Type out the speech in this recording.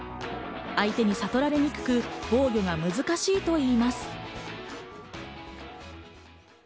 相手に悟られにくく、防御が難しいといいます。